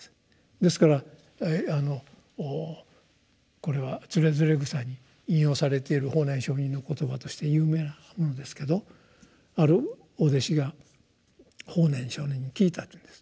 ですからこれは「徒然草」に引用されている法然上人の言葉として有名なものですけどあるお弟子が法然上人に聞いたというんです。